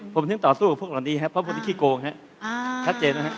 ผมถึงต่อสู้กับพวกเหล่านี้ฮะเพราะพวกนี้ขี้โกงฮะ